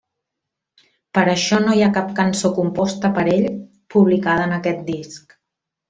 Per això no hi ha cap cançó composta per ell publicada en aquest disc.